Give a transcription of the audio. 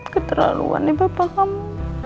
keterlaluan nih papa kamu